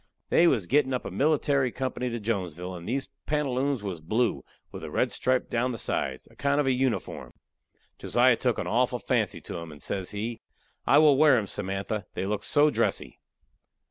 They was gettin' up a milatary company to Jonesville, and these pantaloons was blue, with a red stripe down the sides a kind of uniform. Josiah took a awful fancy to 'em, and says he: "I will wear 'em, Samantha; they look so dressy."